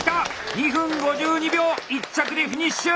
２分５２秒１着でフィニッシュ！